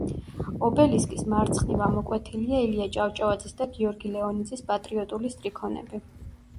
ობელისკის მარცხნივ ამოკვეთილია ილია ჭავჭავაძის და გიორგი ლეონიძის პატრიოტული სტრიქონები.